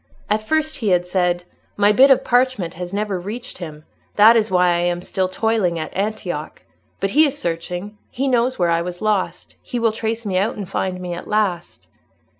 At first he had said, "My bit of parchment has never reached him; that is why I am still toiling at Antioch. But he is searching; he knows where I was lost: he will trace me out, and find me at last."